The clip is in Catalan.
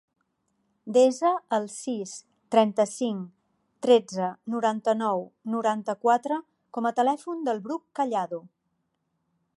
Desa el sis, trenta-cinc, tretze, noranta-nou, noranta-quatre com a telèfon del Bruc Callado.